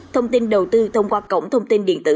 thông tin đầu tư thông qua cổng thông tin điện tử